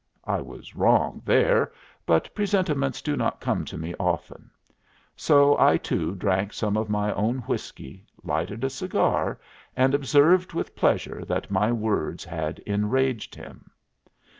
I was wrong there; but presentiments do not come to me often. So I, too, drank some of my own whiskey, lighted a cigar, and observed with pleasure that my words had enraged him.